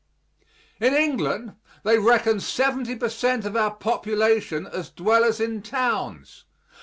In England they reckon 70 per cent. of our population as dwellers in towns.